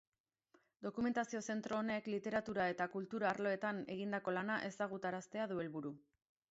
Dokumentazio-zentro honek literatura eta kultura arloetan egindako lana ezagutaraztea du helburu.